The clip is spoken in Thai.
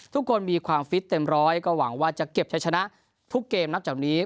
ทุกคนมีความฟิตเต็มร้อยก็หวังว่าจะเก็บใช้ชนะทุกเกมนับจากนี้